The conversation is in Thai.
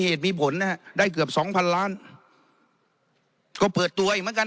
เหตุมีผลนะฮะได้เกือบสองพันล้านก็เปิดตัวอีกเหมือนกัน